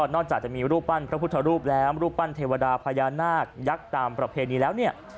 จากจะมีรูปปั้นพระพุทธรูปแล้วรูปปั้นเทวดาพญานาคยักษ์ตามประเพณีแล้วเนี่ย